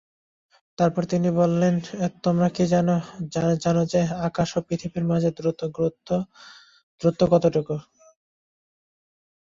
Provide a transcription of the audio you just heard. তারপর তিনি বললেনঃ তোমরা কি জান যে, আকাশ ও পৃথিবীর মাঝে দূরত্ব কতটুকু?